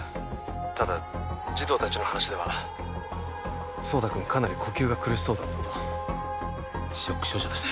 ただ児童達の話では壮太君かなり呼吸が苦しそうだったとショック症状ですね